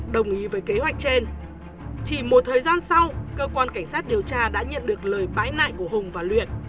đồng ý với kế hoạch trên chỉ một thời gian sau cơ quan cảnh sát điều tra đã nhận được lời bái nại của hùng và luyện